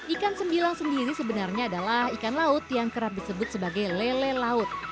ikan sembilan sendiri sebenarnya adalah ikan laut yang kerap disebut sebagai lele laut